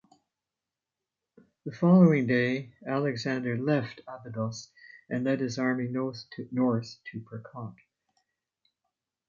The following day, Alexander left Abydos and led his army north to Percote.